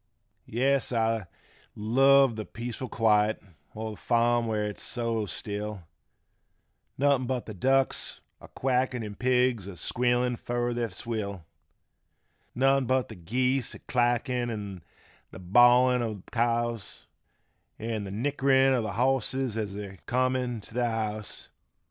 57 Yes I love th' peaceful quiet olth' farm where it's so still, Nothin' but th' ducks a quackin' 'n' pigs a squealin' fur their swill, Nothin' but th' geese a clackin' 'n' the bawlin* o' th' cows, An' th' nickerin' o' th' bosses as they're comin' t' th' house.